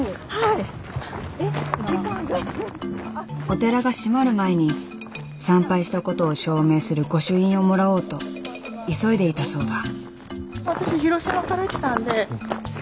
お寺が閉まる前に参拝した事を証明する御朱印をもらおうと急いでいたそうだ。